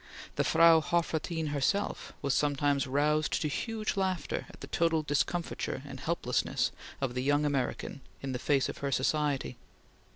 The Frau Hofrathin herself was sometimes roused to huge laughter at the total discomfiture and helplessness of the young American in the face of her society.